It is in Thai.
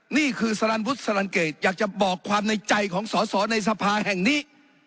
นี่คือสรรบุษรรรณเกรตอยากจะบอกความในใจของสสในสภาแห่งนี้